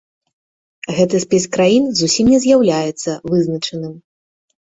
Гэты спіс краін зусім не з'яўляецца вызначаным.